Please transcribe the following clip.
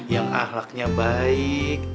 yang ahlaknya baik